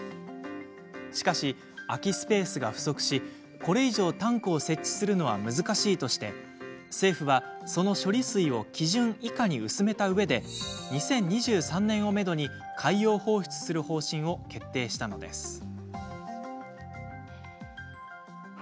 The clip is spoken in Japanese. しかし、空きスペースが不足しこれ以上、タンクを設置するのは難しいとして政府は、その処理水を基準以下に薄めたうえで２０２３年をめどに海洋放出する方針を決定したのです。